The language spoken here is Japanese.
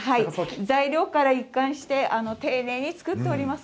材料から一貫して丁寧に作っています。